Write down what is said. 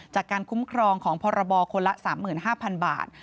จากการคุ้มครองของพรบคนละ๓๕๐๐๐บาท